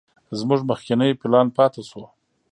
زموږ مخکينى پلان پاته سو.